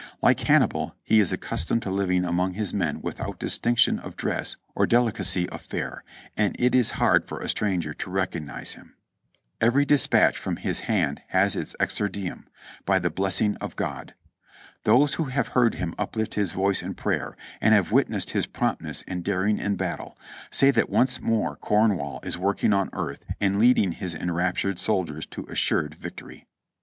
Like Hannibal he is accustomed to living among his men without distinction of dress or delicacy of fare, and it is hard for a stranger to recognize him. "Every dispatch from his hand has its exordium : 'By the bless ing of God.' "Those who have heard him uplift his voice in prayer, and have witnessed his promptness and daring in battle, say that once more Cromwell is working on earth and leading his enraptured soldiers to assured victory."